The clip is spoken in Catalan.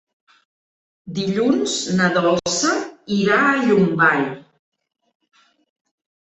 Dilluns na Dolça irà a Llombai.